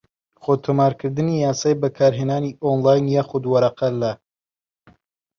خۆتۆمارکردنی یاسای بەکارهێنانی ئۆنلاین یاخود وەرەقە لە